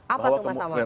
apa tuh mas amar